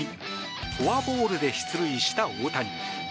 フォアボールで出塁した大谷。